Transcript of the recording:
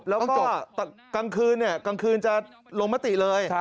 แล้วก็กลางคืนจะลงมะติเลย